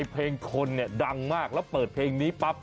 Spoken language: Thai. เพลงคนเนี่ยดังมากแล้วเปิดเพลงนี้ปั๊บ